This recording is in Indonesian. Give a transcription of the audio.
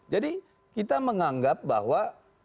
jadi kita menganggap bahwa